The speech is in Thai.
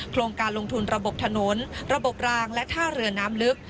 โครงการลงทุนระบบถนนระบบรางและท่าเรือน้ำลึก